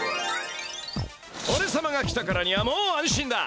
おれさまが来たからにはもう安心だ。